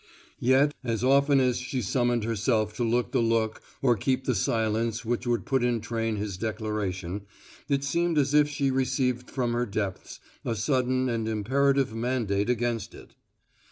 Yet as often as she summoned herself to look the look or keep the silence which would put in train his declaration, it seemed as if she received from her depths a sudden and imperative mandate against it.